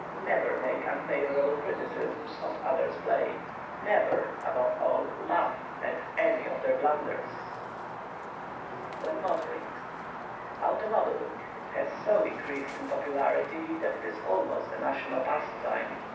Never make unfavorable criticisms of others' play. Never, above all, laugh at any of their blunders. [Sidenote: WHEN MOTORING] Automobiling has so increased in popularity that it is almost a national pastime.